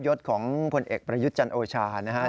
ยศของพลเอกประยุทธ์จันทร์โอชานะครับ